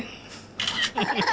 アハハハ。